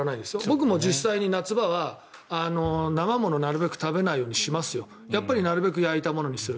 僕も実際に夏場は生ものをなるべく食べないようにしますよなるべく焼いたものにする。